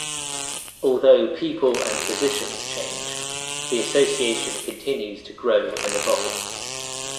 Although people and positions change, the Association continues to grow and evolve.